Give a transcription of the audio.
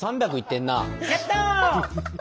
やった！